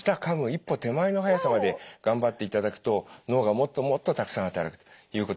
一歩手前の速さまで頑張っていただくと脳がもっともっとたくさん働くということが研究で分かってます。